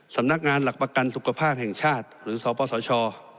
สำนักงานหลักประกันสุขภาพแห่งชาติหรือสปสช